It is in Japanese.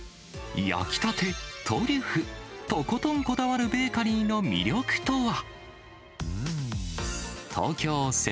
焼きたて、トリュフ、とことんこだわるベーカリーの魅力とは。